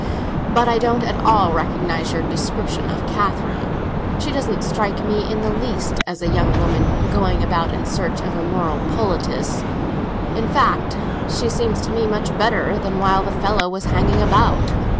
But I don't at all recognise your description of Catherine. She doesn't strike me in the least as a young woman going about in search of a moral poultice. In fact, she seems to me much better than while the fellow was hanging about.